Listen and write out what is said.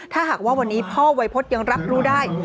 ถ้าหากว่าวันนี้พ่อวัยพฤษยังรับรู้ได้